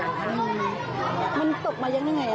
มันกระเบื้องมันยังไง